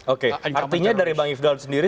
oke artinya dari bang ifdal sendiri